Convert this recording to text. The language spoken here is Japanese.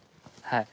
はい。